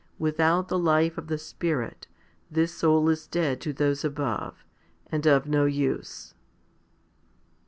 Without the life of the Spirit, this soul is dead to those above, and of no use.